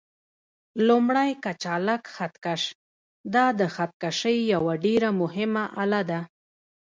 لومړی: کچالک خط کش: دا د خط کشۍ یوه ډېره مهمه آله ده.